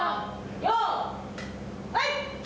よいはい！